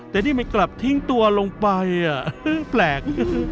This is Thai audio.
แต่นี่มันกลับทิ้งตัวลงไปแปลก